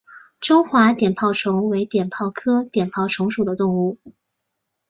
中华碘泡虫为碘泡科碘泡虫属的动物。